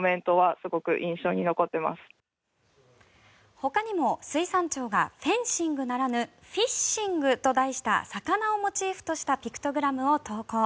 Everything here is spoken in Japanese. ほかにも水産庁がフェンシングならぬ「フィッシング」と題した魚をモチーフとしたピクトグラムを投稿。